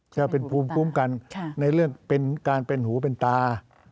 จะเป็นภูมิคุ้มกันในเรื่องเป็นการเป็นหูเป็นตา